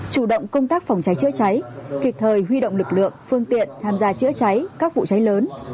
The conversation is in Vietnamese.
chủ động công tác phòng cháy chữa cháy kịp thời huy động lực lượng phương tiện tham gia chữa cháy các vụ cháy lớn